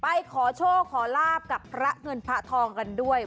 ไปขอโชคขอลาบกับพระเงินพระทองกันด้วย